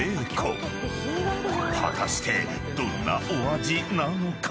［果たしてどんなお味なのか？］